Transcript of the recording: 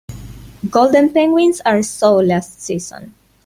Golden penguins are so last season.